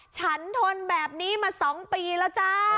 ฉันทนแบบนี้มา๒ปีแล้วจ้า